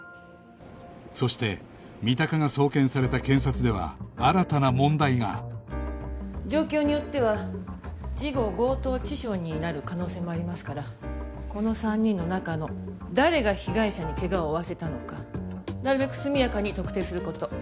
そして三鷹が送検された検察では新たな問題が状況によっては事後強盗致傷になる可能性もありますからこの３人の中の誰が被害者に怪我を負わせたのかなるべく速やかに特定する事。